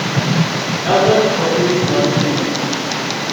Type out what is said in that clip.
Now just what do you want to know.